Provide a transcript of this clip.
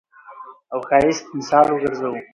او ښايست مثال وګرځوو.